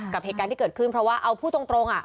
กับเหตุการณ์ที่เกิดขึ้นเพราะว่าเอาพูดตรง